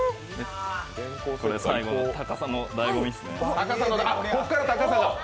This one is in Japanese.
最後の高さもだいご味っすね。